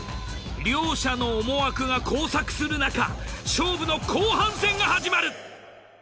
両者の思惑が交錯するなか勝負の後半戦が始まる！